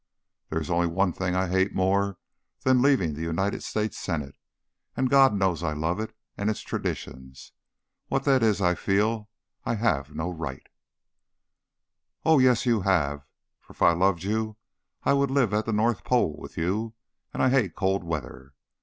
"There is only one thing I hate more than leaving the United States Senate and God knows I love it and its traditions: what that is I feel I now have no right " "Oh, yes, you have; for if I loved you I would live at the North Pole with you, and I hate cold weather.